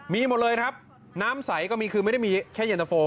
มีหมดเลยครับน้ำใสก็มีคือไม่ได้มีแค่เย็นตะโฟ